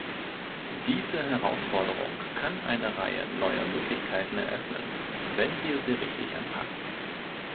Diese Herausforderung kann eine Reihe neuer Möglichkeiten eröffnen, wenn wir sie richtig anpacken.